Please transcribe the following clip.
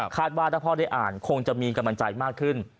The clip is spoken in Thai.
ว่าถ้าพ่อได้อ่านคงจะมีกำลังใจมากขึ้น